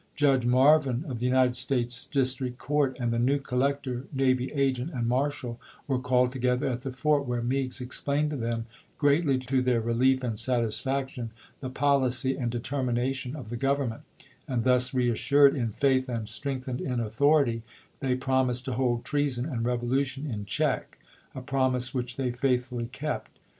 Judge Marvin, of the United States District Court, and the new collector, navy agent, and marshal were called together at the fort, where Meigs explained to them, greatly to their relief and satisfaction, the policy and determination of the Government ; and thus reassured in faith and strengthened in author ity they promised to hold treason and revolution in check — a promise which they faithfully kept.